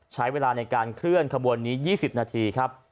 ใช้เวลาในการเคลื่อนขบวนนี้๒๐นาทีครับ